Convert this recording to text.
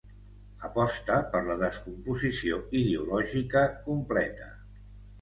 Aposta per la descomposició ideològica completa.